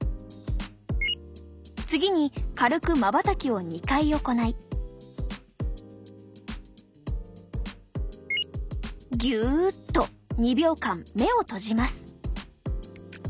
次に軽くまばたきを２回行いギュッと２秒間目を閉じます。